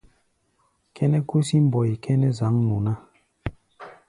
Kʼɛ́nɛ́ kúsí mbɔi kʼɛ́nɛ́ zǎŋnu ná.